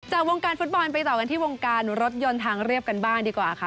จากวงการฟุตบอลไปต่อกันที่วงการรถยนต์ทางเรียบกันบ้างดีกว่าค่ะ